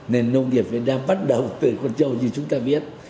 nên nông nghiệp việt nam bắt đầu từ con trâu như chúng ta biết